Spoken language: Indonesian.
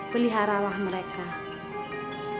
kalian boleh makan